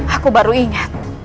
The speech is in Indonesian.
aku baru ingat